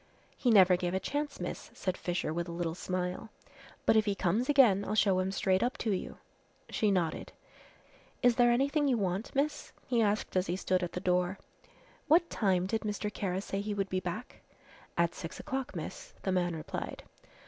"He never gave a chance, miss," said Fisher, with a little smile, "but if he comes again I'll show him straight up to you." She nodded. "Is there anything you want, miss?" he asked as he stood at the door. "What time did Mr. Kara say he would be back?" "At six o'clock, miss," the man replied.